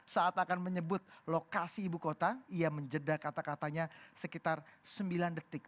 saat akan menyebut lokasi ibu kota ia menjeda kata katanya sekitar sembilan detik